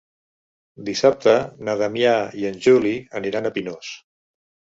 Dissabte na Damià i en Juli aniran a Pinós.